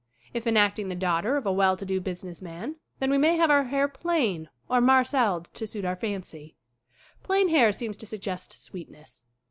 If enacting the daughter of a well to do business man then we may have our hair plain or marceled to suit our fancy. Plain hair seems to suggest sweetness.